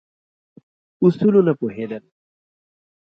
اصولو نه پوهېدل.